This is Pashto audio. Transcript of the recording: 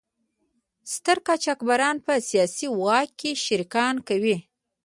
ستر قاچاقبران په سیاسي واک کې شریکان کوي.